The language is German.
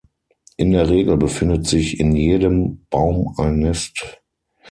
In der Regel befindet sich in jedem Baum ein Nest.